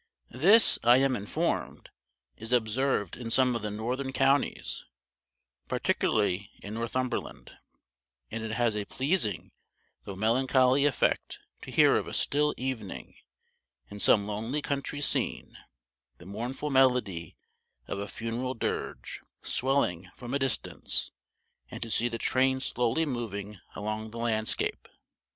This, I am informed, is observed in some of the northern counties, particularly in Northumberland, and it has a pleasing, though melancholy effect to hear of a still evening in some lonely country scene the mournful melody of a funeral dirge swelling from a distance, and to see the train slowly moving along the landscape.